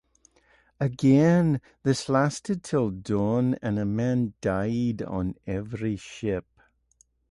Again, this lasted till dawn, and a man died on every ship.